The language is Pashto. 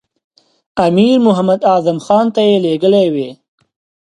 امیر محمد اعظم خان ته یې لېږلی وي.